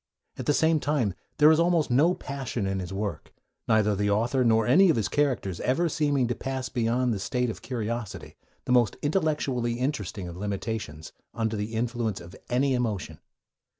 At the same time, there is almost no passion in his work, neither the author nor any of his characters ever seeming able to pass beyond the state of curiosity, the most intellectually interesting of limitations, under the influence of any emotion.